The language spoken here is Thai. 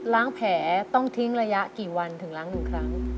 แผลต้องทิ้งระยะกี่วันถึงล้างหนึ่งครั้ง